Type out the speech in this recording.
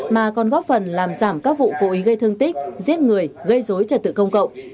mà còn góp phần làm giảm các vụ cố ý gây thương tích giết người gây dối trật tự công cộng